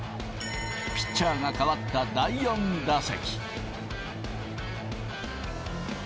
ピッチャーが代わった第４打席。